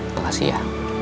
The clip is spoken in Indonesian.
terima kasih ya